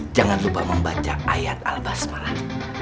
jangan lupa membaca ayat al basfah